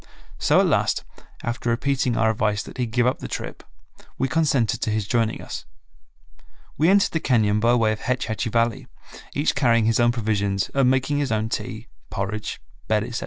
So at last, after repeating our advice that he give up the trip, we consented to his joining us. We entered the cañon by way of Hetch Hetchy Valley, each carrying his own provisions, and making his own tea, porridge, bed, etc.